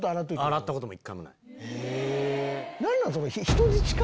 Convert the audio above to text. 洗ったことも一回もない。